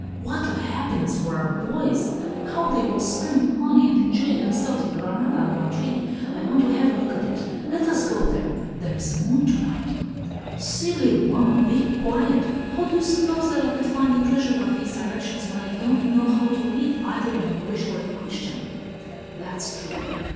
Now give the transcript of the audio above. What a happiness for our boys! How they will spend money and enjoy themselves in Granada and Madrid! I want to have a look at it. Let us go there. There is a moon to night!" "Silly woman! Be quiet! How do you suppose that I could find the treasure by these directions, when I don't know how to read, either in Moorish or in Christian?" "That's true!